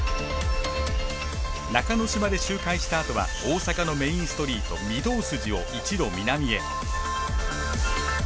中之島で周回したあとは大阪のメインストリート御堂筋を一路南へ。